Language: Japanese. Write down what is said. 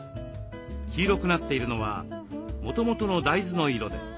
黄色くなっているのはもともとの大豆の色です。